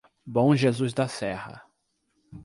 Bom Jesus da Serra